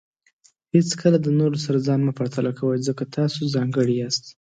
هیڅکله د نورو سره ځان نه پرتله کوئ، ځکه چې تاسو ځانګړي یاست.